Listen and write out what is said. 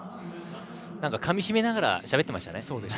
なんか、かみしめながらしゃべってましたね。